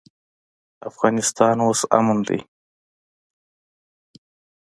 افغانستان اوس امن دی.